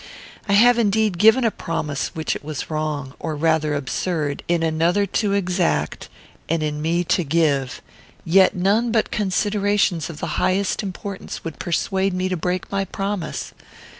I have indeed given a promise which it was wrong, or rather absurd, in another to exact, and in me to give; yet none but considerations of the highest importance would persuade me to break my promise.